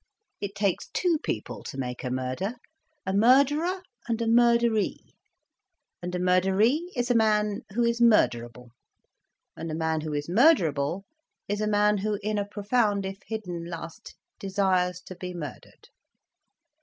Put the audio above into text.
It takes two people to make a murder: a murderer and a murderee. And a murderee is a man who is murderable. And a man who is murderable is a man who in a profound if hidden lust desires to be murdered."